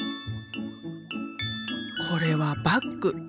これはバッグ。